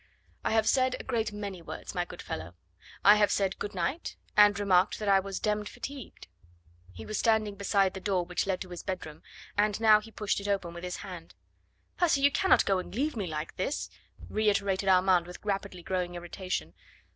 "I have said a great many words, my good fellow. I have said 'good night,' and remarked that I was demmed fatigued." He was standing beside the door which led to his bedroom, and now he pushed it open with his hand. "Percy, you cannot go and leave me like this!" reiterated Armand with rapidly growing irritation.